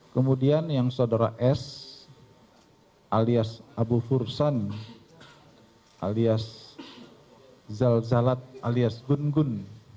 kemudian yang saudara s alias abu fursan alias zal zalat alias gun gun